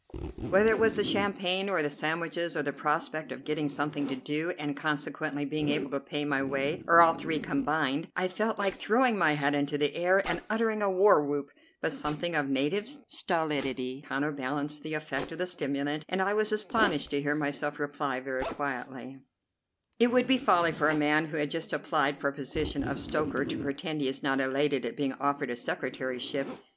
Whether it was the champagne, or the sandwiches, or the prospect of getting something to do, and consequently being able to pay my way, or all three combined, I felt like throwing my hat into the air and uttering a war whoop; but something of native stolidity counterbalanced the effect of the stimulant, and I was astonished to hear myself reply very quietly: "It would be folly for a man who had just applied for the position of stoker to pretend he is not elated at being offered a secretaryship.